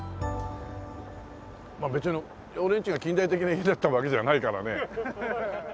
まあ別に俺んちが近代的な家だったわけじゃないからね。